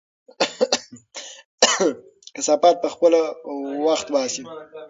کثافات په خپل وخت وباسئ.